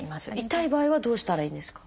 痛い場合はどうしたらいいんですか？